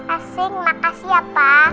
asing makasih ya pa